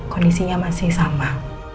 kondisinya masih sama